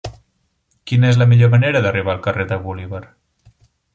Quina és la millor manera d'arribar al carrer de Bolívar?